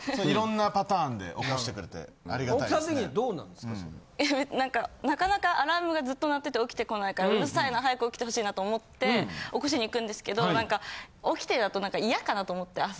いやなんかなかなかアラームがずっと鳴ってて起きてこないからうるさいな早く起きてほしいなと思って起こしに行くんですけどなんか「起きて」だと嫌かなと思って朝。